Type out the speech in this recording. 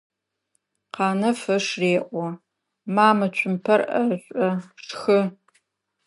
Къанэф ыш реӏо: «Ма, мы цумпэр ӏэшӏу, шхы!».